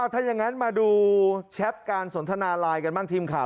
ถ้าอย่างนั้นมาดูแชทการสนทนาไลน์กันบ้างทีมข่าว